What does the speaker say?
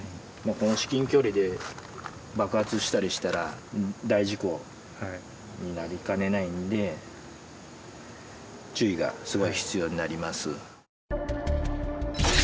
この至近距離で爆発したりしたら大事故になりかねないんで注意がすごい必要になります。